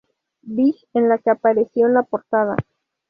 Big", en la que apareció en portada.